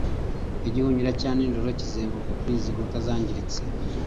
igihunyira cya nijoro kizenguruka kuri izi nkuta zangiritse